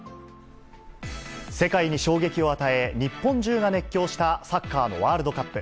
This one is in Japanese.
世界に衝撃を与え、日本中が熱狂したサッカーのワールドカップ。